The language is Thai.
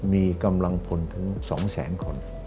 มีกำลังพลถึง๒๐๐๐๐๐คน